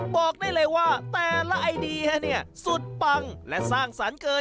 บอกได้เลยว่าแต่ละไอเดียเนี่ยสุดปังและสร้างสรรค์เกิน